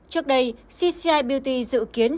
trước đây cci beauty dự kiến